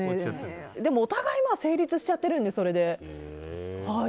でも、お互い成立しちゃってるので、それで。